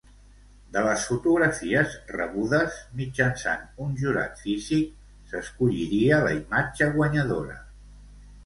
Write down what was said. De les fotografies rebudes, mitjançant un jurat físic, s'escolliria la imatge guanyadora.